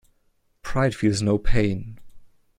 Pride feels no pain.